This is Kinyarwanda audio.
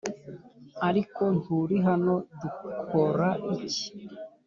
ariko nturi hano dukora iki